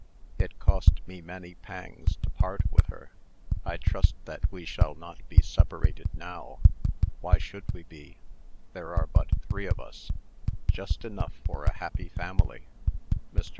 "It cost me many pangs to part with her. I trust that we shall not be separated now. Why should we be? There are but three of us just enough for a happy family." Mr.